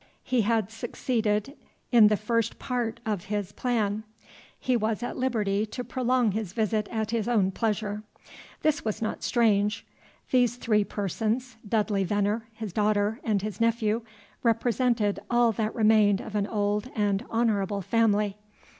He had succeeded in the first part of his plan. He was at liberty to prolong his visit at his own pleasure. This was not strange; these three persons, Dudley Venner, his daughter, and his nephew, represented all that remained of an old and honorable family.